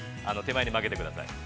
手前に曲げてください。